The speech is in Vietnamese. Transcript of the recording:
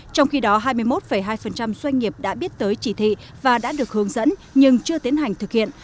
trong khi đó hai mươi một hai doanh nghiệp đã biết tới chỉ thị và đã được hướng dẫn nhưng chưa tiến hành thực hiện